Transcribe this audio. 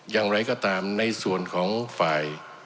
อย่างไรก็ตามในส่วนของฝ่าย